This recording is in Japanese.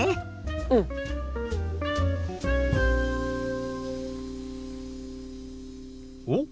うん！おっ？